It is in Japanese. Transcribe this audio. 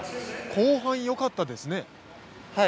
後半、よかったですね。